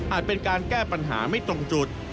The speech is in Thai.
เป็นการแก้ปัญหาไม่ตรงจุด